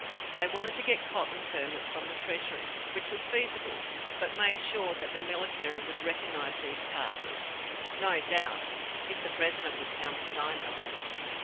They wanted to get cotton permits from the treasury, which was feasible, but made sure that the military would recognize these passes no doubt, if the President would countersign them.